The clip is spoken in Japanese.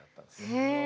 へえ。